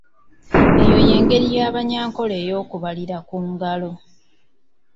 Eyo y'engeri y'Abanyankole ey'okubalira ku ngalo.